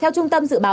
theo trung tâm dự báo